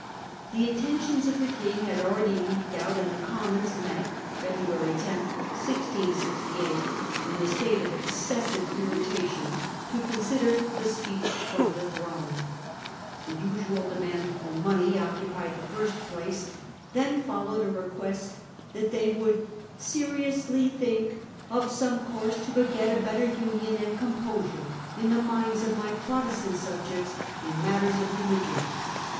The intentions of the King had already leaked out, and the Commons met (February 10, 1668) in a state of excessive irritation to consider the speech from the 1 668. Failure of Attempts at Toleration. 167 throne. The usual demand for money occupied the first place. Then followed a request that they would ' seriously think of some course to beget a better union and com posure in the minds of my Protestant subjects in matters of religion.